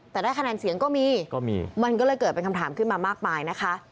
แต่ได้คะแนนเสียงก็มีก็มีมันก็เลยเกิดเป็นคำถามขึ้นมามากมายนะคะ